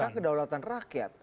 kan kedaulatan rakyat